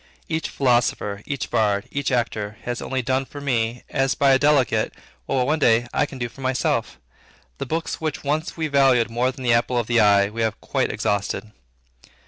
Each philosopher, each bard, each actor, has only done for me, as by a delegate, what one day I can do for myself. The books which once we valued more than the apple of the eye, we have quite exhausted.